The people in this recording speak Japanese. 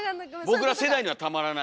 僕ら世代にはたまらない。